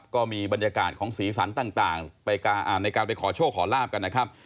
ก็มีบรรยากาศของสีสันต่างในการไปขอโชคขอลาบกันนะครับ